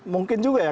mungkin juga ya